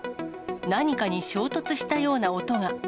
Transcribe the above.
何かに衝突したような音が。